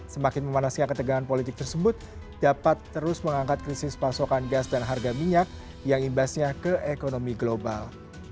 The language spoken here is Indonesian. semakin memanasnya ketegangan politik tersebut dapat terus mengangkat krisis pasokan gas dan harga minyak yang imbasnya ke ekonomi global